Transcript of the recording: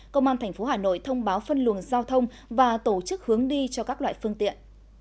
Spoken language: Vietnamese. công an tp hà nội thông báo phân luồng giao thông và tổ chức hướng đi cho các loại phương tiện